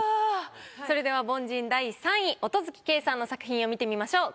それでは凡人第３位音月桂さんの作品を見てみましょう。